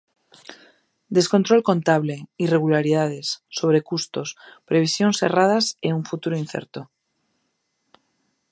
Descontrol contable, "irregularidades", sobrecustos, previsións erradas e un futuro incerto.